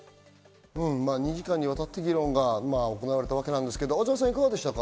２時間にわたって議論が行われたわけなんですが、いかがでしたか？